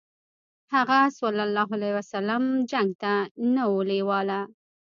هغه ﷺ جنګ ته نه و لېواله.